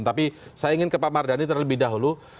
tapi saya ingin ke pak mardhani terlebih dahulu